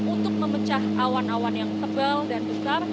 untuk memecah awan awan yang tebal dan besar